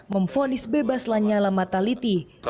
memfonis bebas lanyala mataliti